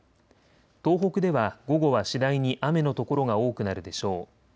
東北では午後は次第に雨の所が多くなるでしょう。